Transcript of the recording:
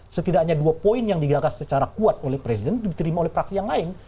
setidaknya dua poin yang digagas secara kuat oleh presiden diterima oleh praksi yang lain